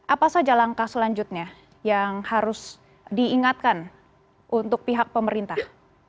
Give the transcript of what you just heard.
apa saja langkah selanjutnya yang harus diingatkan untuk pihak pemerintah